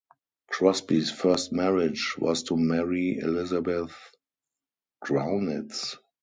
Crosby's first marriage was to Marie Elizabeth Grounitz.